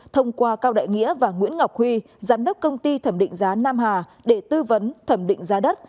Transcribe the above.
thông qua cao đại nghĩa và nguyễn ngọc huy giám đốc công ty thẩm định giá nam hà để tư vấn thẩm định giá đất